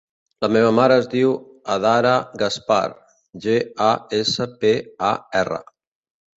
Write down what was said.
La meva mare es diu Adhara Gaspar: ge, a, essa, pe, a, erra.